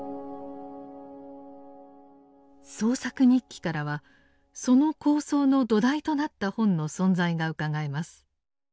「創作日記」からはその構想の土台となった本の存在がうかがえます。